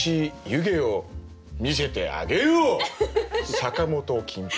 坂本金八。